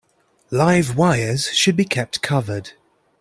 Live wires should be kept covered.